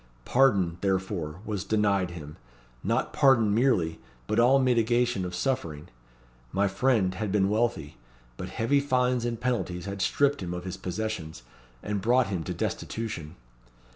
Pardon, therefore, was denied him not pardon merely, but all mitigation of suffering. My friend had been wealthy; but heavy fines and penalties had stripped him of his possessions, and brought him to destitution.